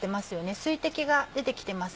水滴が出て来てます。